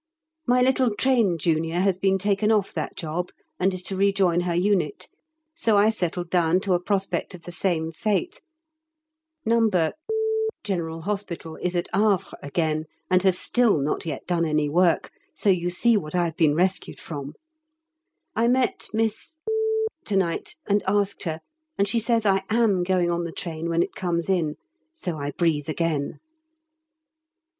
My little Train Junior has been taken off that job and is to rejoin her unit, so I settled down to a prospect of the same fate (No. G.H. is at Havre again! and has still not yet done any work! so you see what I've been rescued from). I met Miss to night and asked her, and she says I am going on the train when it comes in, so I breathe again.